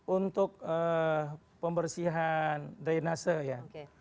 untuk pembersihan drainase ya